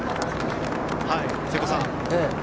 瀬古さん。